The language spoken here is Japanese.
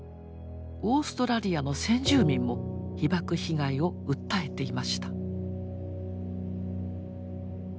オーストラリアの先住民も被ばく被害を訴えていました。